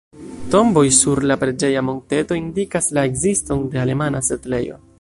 Tomboj sur la preĝeja monteto indikas la ekziston de alemana setlejo.